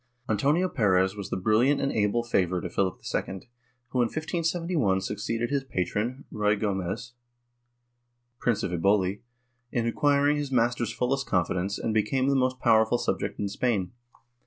Antonio Perez was the brilliant and able favorite of Philip II, who in 1571 succeeded his patron, Ruy Gomez, Prince of Eboli, in acquiring his master's fullest confidence and becoming the most powerful subject in Spain.